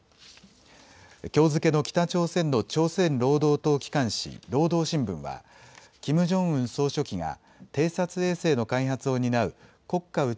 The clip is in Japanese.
きょう付けの北朝鮮の朝鮮労働党機関紙、労働新聞はキム・ジョンウン総書記が偵察衛星の開発を担う国家